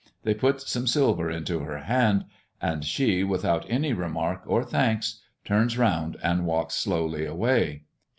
They put some silver into her hand, and she, without any remark or thanks, turns round and walks slowly away.